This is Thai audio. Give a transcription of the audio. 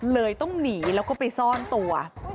เลยต้องหนีแล้วก็ไปซ่อนตัว